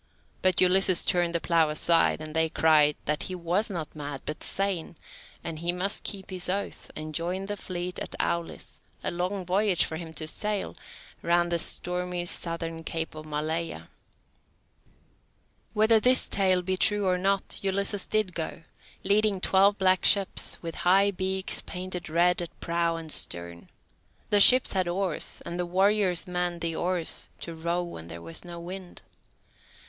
But Ulysses turned the plough aside, and they cried that he was not mad, but sane, and he must keep his oath, and join the fleet at Aulis, a long voyage for him to sail, round the stormy southern Cape of Maleia. Whether this tale be true or not, Ulysses did go, leading twelve black ships, with high beaks painted red at prow and stern. The ships had oars, and the warriors manned the oars, to row when there was no wind.